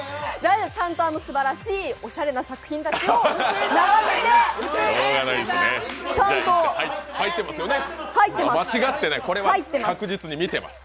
ちゃんとすばらしいおしゃれな作品が並んでいてちゃんと、入ってます。